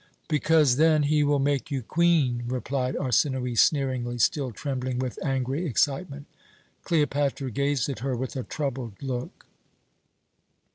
"'Because then he will make you Queen,' replied Arsinoë sneeringly, still trembling with angry excitement. "Cleopatra gazed at her with a troubled look.